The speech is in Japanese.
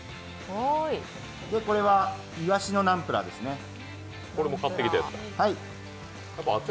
これはいわしのナンプラーですね。